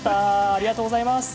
ありがとうございます。